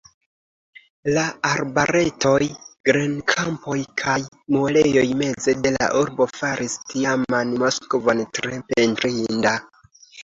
La arbaretoj, grenkampoj kaj muelejoj meze de la urbo faris tiaman Moskvon tre pentrinda.